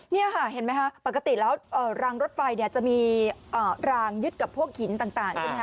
นี่เห็นไหมฮะปกติแล้วลางรถไฟจะมีลางยึดกับพวกหินต่าง